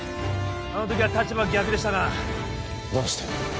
あの時は立場が逆でしたがどうして？